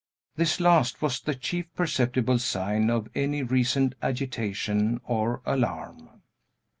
This last was the chief perceptible sign of any recent agitation or alarm.